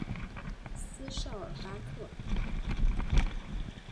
斯绍尔巴克。